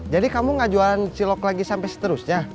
jadi kamu gak jualan cilok lagi sampai seterusnya